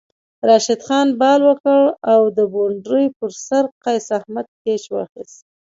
راشد خان بال وکړ او د بونډرۍ پر سر قیص احمد کیچ واخیست